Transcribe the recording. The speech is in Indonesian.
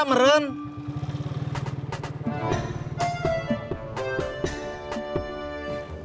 meren gak bisa meren